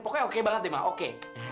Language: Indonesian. pokoknya oke banget deh ma oke